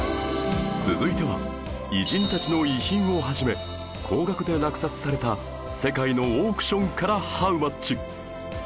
続いては偉人たちの遺品を始め高額で落札された世界のオークションからハウマッチ